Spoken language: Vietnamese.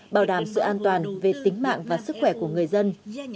bảo đảm sự an toàn về tính mạng và sức khỏe của người dân